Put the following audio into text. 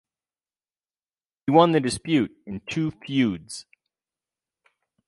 He won the dispute in two feuds.